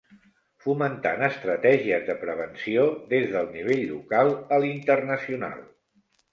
Fomentant estratègies de prevenció des del nivell local a l'internacional.